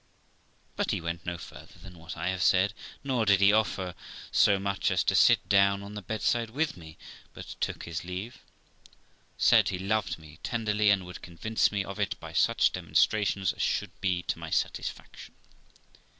But he went no farther than what I have said, nor did he offer so much as to sit down on the bed side with me, but took his leave, said he loved me tenderly, and would convince me of it by such demonstrations as should be to my satisfaction.